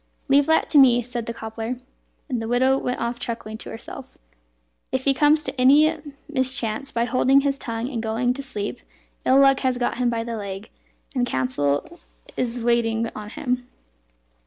"Leave that to me," said the cobbler. And the widow went off chuckling, to herself, "If he comes to any mischance by holding his tongue and going to sleep, ill luck has got him by the leg, and counsel is wasted on him."